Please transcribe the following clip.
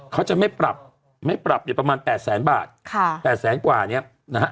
เขาจะไม่ปรับไม่ปรับเนี่ยประมาณแปดแสนบาทค่ะ๘แสนกว่าเนี่ยนะฮะ